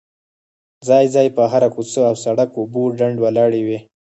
ځای ځای په هره کوڅه او سړ ک اوبه ډنډ ولاړې وې.